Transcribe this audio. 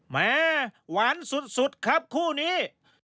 แหมหวานสุดครับคู่นี้